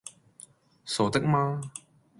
傻的嗎?